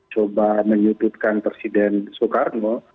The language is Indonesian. coba menyutupkan presiden soekarno